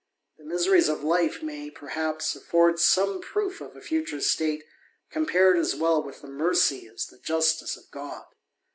The .miseries of life may, perhaps, afford some proof of a future state, compared as well with the mercy as the justice of God.